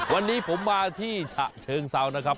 วันนี้ผมมาที่ฉะเชิงเซานะครับ